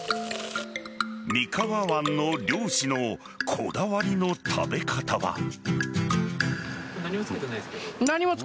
三河湾の漁師のこだわりの食べ方は。